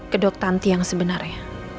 kedok tanti yang sebenarnya